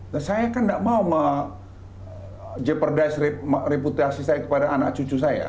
nah saya kan tidak mau jeopardize reputasi saya kepada anak cucu saya